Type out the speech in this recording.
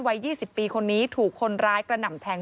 วัย๒๐ปีคนนี้ถูกคนร้ายกระหน่ำแทง